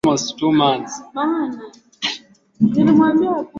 Wenzake waliongea kwa Kinyarwanda na kumwambia kua haonekana kama ana shida aende tu